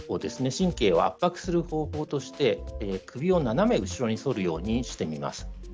神経を圧迫する方法として首を斜め後ろに反るようにしてみます。